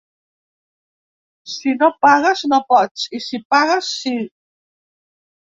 Si no pagues no pots, i si pagues sí.